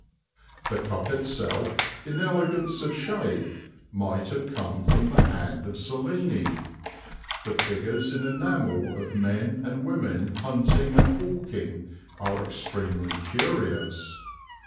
"The cup itself, in elegance of shape, might have come from the hand of Cellini. The figures in enamel of men and women hunting and hawking are extremely curious.